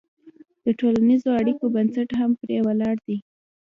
د ټولنیزو اړیکو بنسټ هم پرې ولاړ دی.